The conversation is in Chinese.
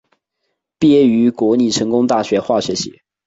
毕业于国立成功大学化学系。